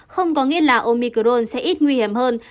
không có nghĩa là omicron sẽ ít nguy hiểm hơn